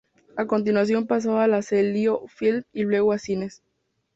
A continuación pasó a la Celio Film, y luego a Cines.